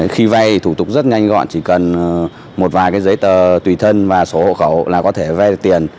khi vay thủ tục rất nhanh gọn chỉ cần một vài cái giấy tờ tùy thân và số hộ khẩu là có thể vay tiền